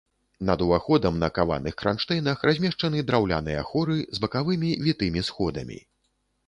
Над уваходам на каваных кранштэйнах размешчаны драўляныя хоры з бакавымі вітымі сходамі.